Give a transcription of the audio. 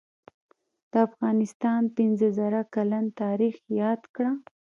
دافغانستان پنځه زره کلن تاریخ یاد کړه